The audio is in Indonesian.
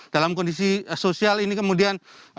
dalam kondisi sosial ini kemudian